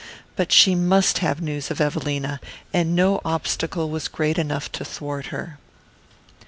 But she must have news of Evelina, and no obstacle was great enough to thwart her.